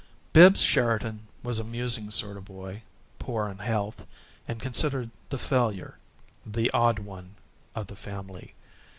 Bibbs Sheridan was a musing sort of boy, poor in health, and considered the failure the "odd one" of the family.